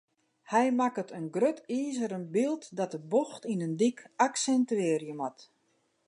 Hy makke in grut izeren byld dat de bocht yn in dyk aksintuearje moat.